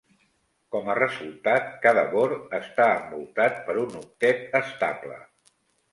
Com a resultat, cada bor està envoltat per un octet estable.